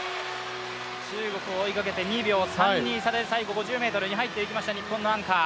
中国を追いかけて２秒３２差で最後の５０ｍに入っていきました日本のアンカー。